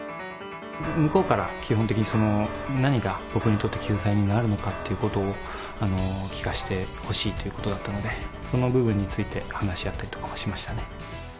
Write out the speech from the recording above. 向こうから基本的に何が僕にとって救済になるのかということを聞かせてほしいということだったので、その部分について話し合ったりとかもしましたね。